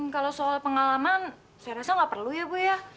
kalau soal pengalaman saya rasa nggak perlu ya bu ya